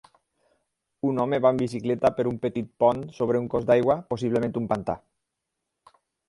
Un home va en bicicleta per un petit pont sobre un cos d'aigua possiblement un pantà